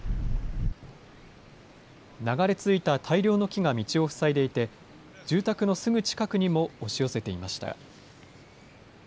流れ着いた大量の木が道を塞いでいて、住宅のすぐ近くにも押し寄せていました。